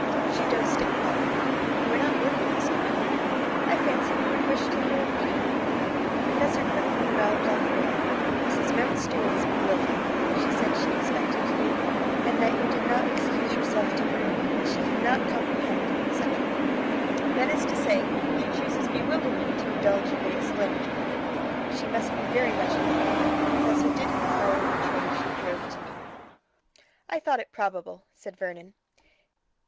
She dosed it quietly. "You are not working, Mr. Whitford? I fancied you would wish to hear of the evening. Professor Crooklyn arrived after all! Mrs. Mountstuart is bewildered: she says she expected you, and that you did not excuse yourself to her, and she cannot comprehend, et caetera. That is to say, she chooses bewilderment to indulge in the exclamatory. She must be very much annoyed. The professor did come by the train she drove to meet!" "I thought it probable," said Vernon.